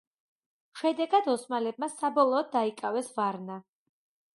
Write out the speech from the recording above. შედეგად, ოსმალებმა საბოლოოდ დაიკავეს ვარნა.